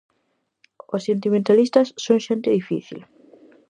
Os sentimentalistas son xente difícil.